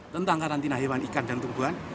tentang karantina hewan ikan dan tumbuhan